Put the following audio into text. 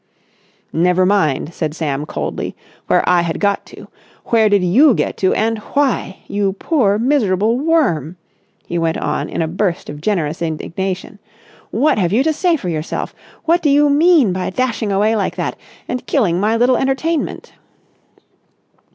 "Never mind," said Sam coldly, "where I had got to! Where did you get to and why? You poor, miserable worm," he went on in a burst of generous indignation, "what have you to say for yourself? What do you mean by dashing away like that and killing my little entertainment?"